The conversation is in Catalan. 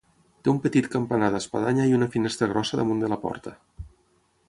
Té un petit campanar d'espadanya i una finestra grossa damunt de la porta.